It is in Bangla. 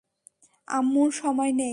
আম্মুর সময় নেই।